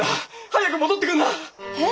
早く戻ってくんな！え？